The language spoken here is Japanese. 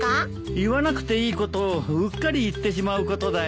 言わなくていいことをうっかり言ってしまうことだよ。